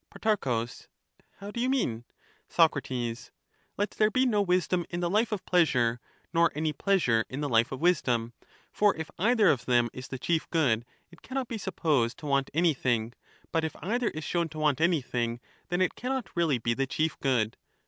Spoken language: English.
Pro, How do you mean ? Soc, Let there be no wisdom in the life of pleasure, nor any pleasure in the life of wisdom, for if either of them is the chief good, it cannot be supposed to want an3rthing, but if either is shown to want anything, then it cannot really be the chief good.